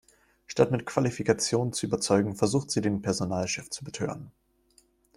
Statt mit Qualifikation zu überzeugen, versucht sie, den Personalchef zu betören.